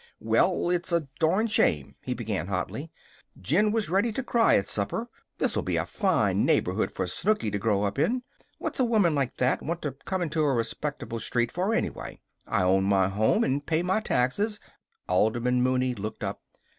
"Well, it's a darned shame!" he began hotly. "Jen was ready to cry at supper. This'll be a fine neighborhood for Snooky to grow up in! What's a woman like that want to come into a respectable street for, anyway? I own my home and pay my taxes " Alderman Mooney looked up.